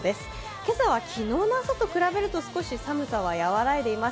今朝は昨日の朝と比べると少し寒さは和らいでいます。